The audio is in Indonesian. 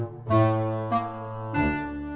ya udah aku tunggu